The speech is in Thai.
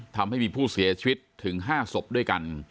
ทำให้มีผู้เสียชีวิตถึง๕ศพด้วยกัน